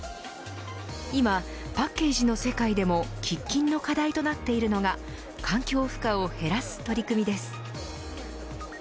今、パッケージの世界でも喫緊の課題となっているのが環境負荷を減らす取り組みです。